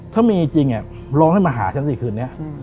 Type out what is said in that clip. ถ้ามีจริงร้องให้มาหาฉันสิคืนนี้